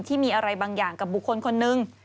ที่มีอะไรบางอย่างกับบุคคลคนนึง